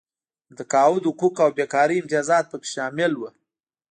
د تقاعد حقوق او بېکارۍ امتیازات پکې شامل وو.